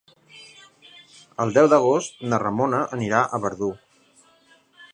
El deu d'agost na Ramona anirà a Verdú.